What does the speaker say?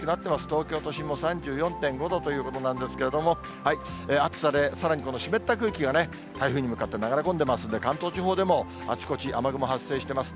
東京都心も３４．５度ということなんですけれども、暑さで、さらにこの湿った空気が台風に向かって流れ込んでいますんで、関東地方でも、あちこち雨雲発生しています。